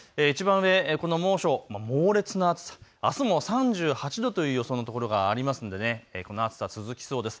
この猛暑、猛烈な暑さあすも３８度という予想の所がありますのでこの暑さ続きそうです。